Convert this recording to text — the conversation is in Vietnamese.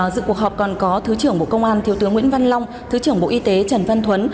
dự cuộc họp còn có thứ trưởng bộ công an thiếu tướng nguyễn văn long thứ trưởng bộ y tế trần văn thuấn